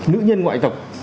nữ nhân ngoại tộc